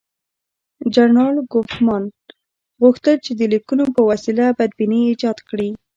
جنرال کوفمان غوښتل چې د لیکونو په وسیله بدبیني ایجاد کړي.